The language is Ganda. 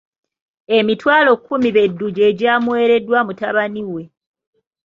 Emitwalo kkumi be ddu gye gy’amuweereddwa mutabani we.